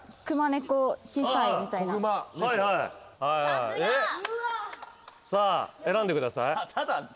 さすが！さあ選んでください。